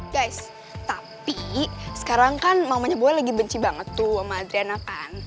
guys tapi sekarang kan mamanya gue lagi benci banget tuh sama adriana kan